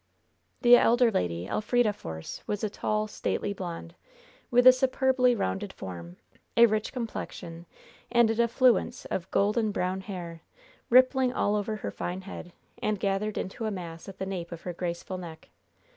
The elder lady, Elfrida Force, was a tall, stately blonde, with a superbly rounded form, a rich complexion, and an affluence of golden brown hair, rippling all over her fine head, and gathered into a mass at the nape of her graceful neck.